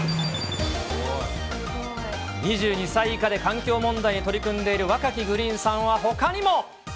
２２歳以下で環境問題に取り組んでいる若きグリーンさんは、ほかにも。